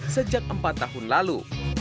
sejak empat tahun lalu